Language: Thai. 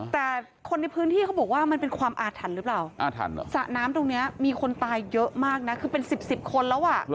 แต่คนในพื้นที่เขาบอกว่ามันเป็นความอาถรรพ์หรือเปล่าสระน้ำตรงนี้มีคนตายเยอะมากนะคือเป็น๑๐คนแล้วอ่ะ